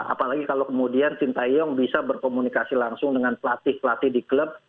apalagi kalau kemudian sintayong bisa berkomunikasi langsung dengan pelatih pelatih di klub